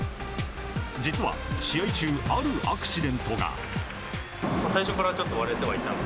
実は試合中、あるアクシデントが。